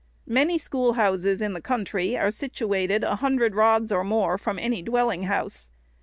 Many schoolhouses in the country are situated a hun dred rods or more from any dwelling house.